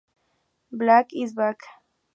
Black is Back".